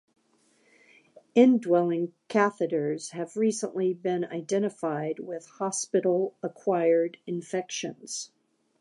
Indwelling catheters have recently been identified with hospital acquired infections.